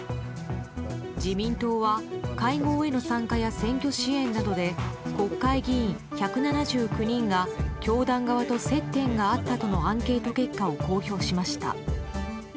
自民党は会合への参加や選挙支援などで国会議員１７９人が教団側と接点があったとのアンケート結果を公表しました。